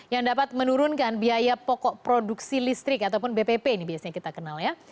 yang dapat menurunkan biaya pokok produksi listrik ataupun bpp ini biasanya kita kenal ya